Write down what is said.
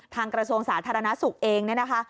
กระทรวงสาธารณสุขเองเนี่ยนะคะ